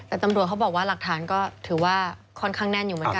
แต่ตำรวจเขาบอกว่าหลักฐานก็ถือว่าค่อนข้างแน่นอยู่เหมือนกัน